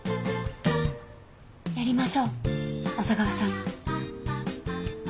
やりましょう小佐川さん。